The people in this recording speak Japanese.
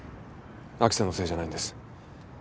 亜紀さんのせいじゃないんです。